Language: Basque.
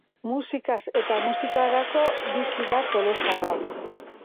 Musikaz eta musikarako bizi da tolosar hau.